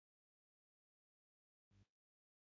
En quin poble estrena la pista d'atletisme?